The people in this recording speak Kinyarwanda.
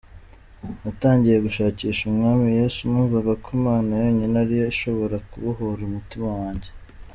Natangiye gushaka Umwami Yesu, numvaga ko Imana yonyine ariyo ishobora kubohora umutima wanjye.